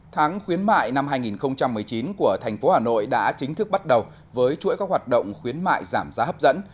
tháng khuyến mại năm hai nghìn một mươi chín của thành phố hà nội đã chính thức bắt đầu với chuỗi các hoạt động khuyến mại giảm giá hấp dẫn